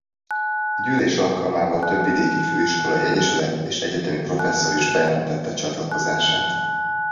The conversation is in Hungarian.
A gyűlés alkalmából több vidéki főiskolai egyesület és egyetemi professzor is bejelentette csatlakozását.